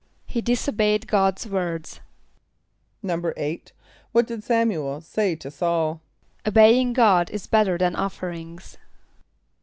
=He disobeyed God's words.= =8.= What did S[)a]m´u el say to S[a:]ul? ="Obeying God is better than offerings."